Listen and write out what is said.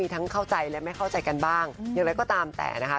ทั้งการเรื่องที่เกิดขึ้นไม่ได้ในเรื่องที่มันใหญ่กว่า